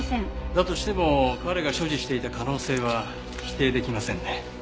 だとしても彼が所持していた可能性は否定出来ませんね。